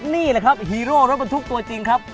นี่แหละครับฮีโร่รถบรรทุกตัวจริงครับ